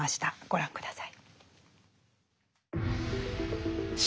ご覧下さい。